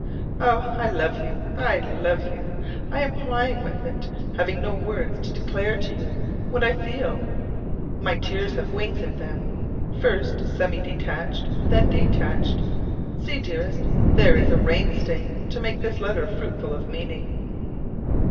Oh, I love you, I love you! I am crying with it, having no words to declare to you what I feel. My tears have wings in them: first semi detached, then detached. See, dearest, there is a rain stain to make this letter fruitful of meaning!